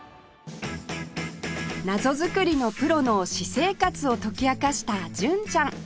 謎作りのプロの私生活を解き明かした純ちゃん